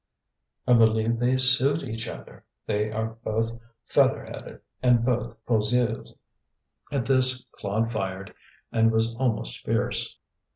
"I believe they suit each other. They are both feather headed, and both poseuses." At this Claude fired, and was almost fierce.